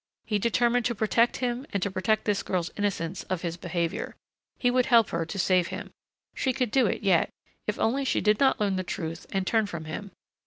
He determined to protect him and to protect this girl's innocence of his behavior. He would help her to save him.... She could do it yet if only she did not learn the truth and turn from him.